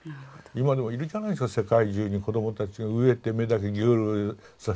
今でもいるじゃないですか世界中に子どもたちが飢えて目だけギョロギョロさせてね。